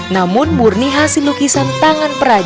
namun murni hasil lukisan tangan peraja